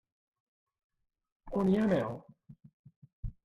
On hi ha mel.